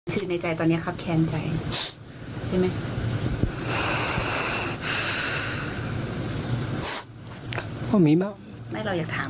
ทุกอย่างที่เราสร้างมาใช่ไหมครับ